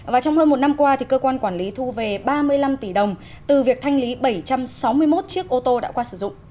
và trong hơn một năm qua cơ quan quản lý thu về ba mươi năm tỷ đồng từ việc thanh lý bảy trăm sáu mươi một chiếc ô tô đã qua sử dụng